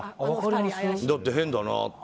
だって、変だなって。